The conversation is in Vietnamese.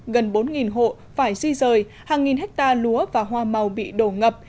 gần bốn hộ phải di rời hàng nghìn hectare lúa và hoa màu bị đổ ngập